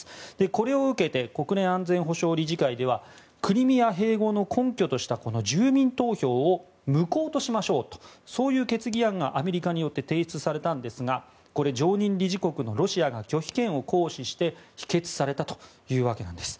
これを受けて国連安全保障理事会ではクリミア併合の根拠とした住民投票を無効としましょうとそういう決議案がアメリカによって提出されたんですが常任理事国のロシアが拒否権を行使して否決されたというわけです。